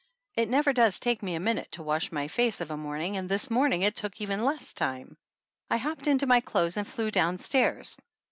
It never does take me a minute to wash my face of a morning, and this morning it took even less time. I hopped into my clothes and flew down stairs.